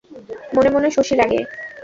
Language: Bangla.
মনে মনে শশী রাগে।